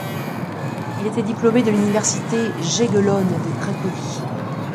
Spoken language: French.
Il était diplômé de l'Université jagellonne de Cracovie.